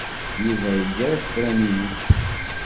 Yuba iga afran-nnes.